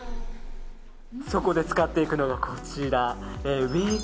そこで使っていくのがこちら。